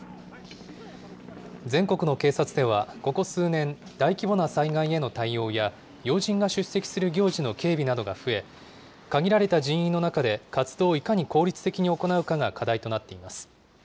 全国の警察ではここ数年、大規模な災害への対応や、要人が出席する行事の警備などが増え、限られた人員の中で活動をいかに効率的に行うかが課題となっています。